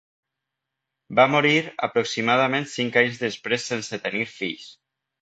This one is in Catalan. Va morir aproximadament cinc anys després sense tenir fills.